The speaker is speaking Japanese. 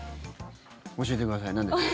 教えてください。